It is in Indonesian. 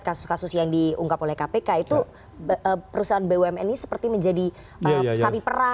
kasus kasus yang diungkap oleh kpk itu perusahaan bumn ini seperti menjadi sapi perah